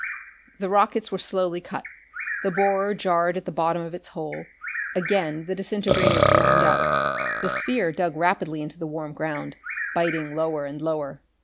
The rockets were slowly cut; the borer jarred at the bottom of its hole; again the disintegrators droned out. The sphere dug rapidly into the warm ground, biting lower and lower.